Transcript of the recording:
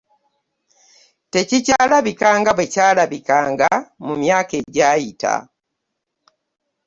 Tekikyalabika nga bwekyabeera nga mu myaka egyayita